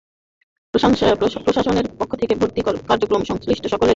প্রশাসনের পক্ষ হতে ভর্তি কার্যক্রমে সংশ্লিষ্ট সকলের সহযোগিতা কামনা করা হয়েছে।